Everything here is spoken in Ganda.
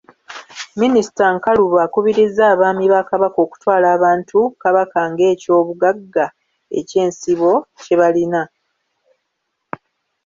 Minisita Nkalubo akubirizza abaami ba Kabaka okutwala abantu Kabaka ng'ekyobugagga eky'ensibo kye balina.